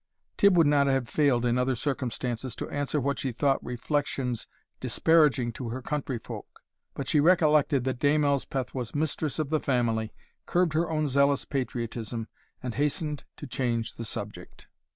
Tibb would not have failed in other circumstances to answer what she thought reflections disparaging to her country folk; but she recollected that Dame Elspeth was mistress of the family, curbed her own zealous patriotism, and hastened to change the subject.